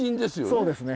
そうですね。